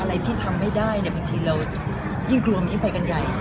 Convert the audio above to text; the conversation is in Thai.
อะไรที่ทำไม่ได้บางทีเรายิ่งกลัวมันยิ่งไปกันใหญ่